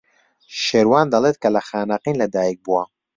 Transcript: شێروان دەڵێت کە لە خانەقین لەدایک بووە.